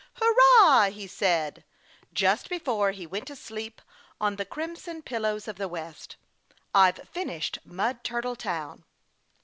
"Hurrah!" he said, just before he went to sleep on the crimson pillows of the West, "I've finished Mud Turtle Town!"